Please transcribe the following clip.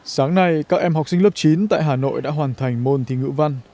sáng nay các em học sinh lớp chín tại hà nội đã hoàn thành môn thí ngữ văn